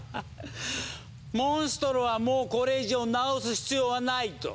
モンストロはもうこれ以上なおす必要はないと。